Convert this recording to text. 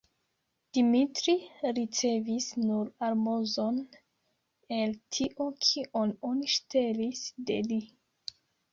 Dimitri ricevis nur almozon el tio, kion oni ŝtelis de li.